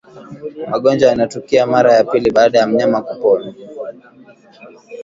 magonjwa yanayotukia mara ya pili baada ya mnyama kupona